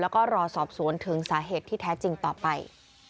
แล้วก็รอสอบสวนถึงสาเหตุที่แท้จริงต่อไป